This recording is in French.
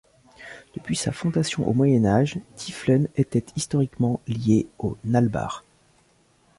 Depuis sa fondation au Moyen Âge Diefflen était historiquement lié au Nalbach.